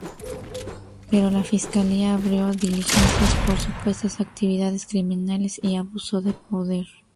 Pero la fiscalía abrió diligencias por supuestas actividades criminales y abuso de poder.